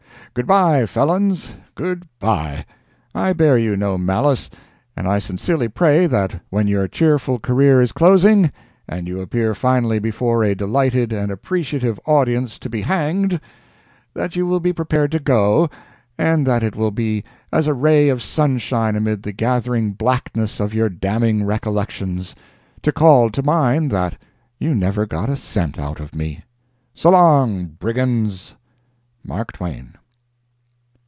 } Good bye, felons—good bye. I bear you no malice. And I sincerely pray that when your cheerful career is closing, and you appear finally before a delighted and appreciative audience to be hanged, that you will be prepared to go, and that it will be as a ray of sunshine amid the gathering blackness of your damning recollections, to call to mind that you never got a cent out of me. So long, brigands. MARK TWAIN.